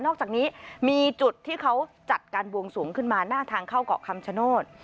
อกจากนี้มีจุดที่เขาจัดการบวงสวงขึ้นมาหน้าทางเข้าเกาะคำชโนธ